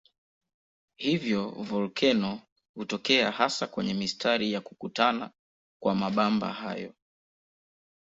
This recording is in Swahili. Hivyo volkeno hutokea hasa kwenye mistari ya kukutana kwa mabamba hayo.